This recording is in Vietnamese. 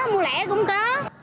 mua lẻ cũng có